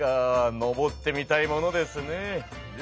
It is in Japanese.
登ってみたいものですね。